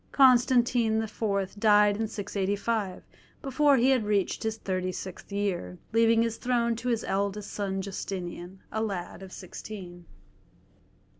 Constantine IV. died in 685, before he had reached his thirty sixth year, leaving his throne to his eldest son Justinian, a lad of sixteen.